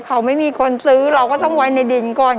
เขาไม่มีคนซื้อเราก็ต้องไว้ในดินก่อน